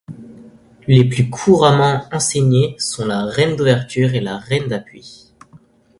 Les plus couramment enseignés sont la rêne d’ouverture et la rêne d’appui.